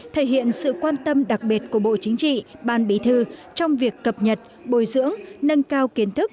thể hiện sự quan tâm đặc biệt của bộ chính trị ban bí thư trong việc cập nhật bồi dưỡng nâng cao kiến thức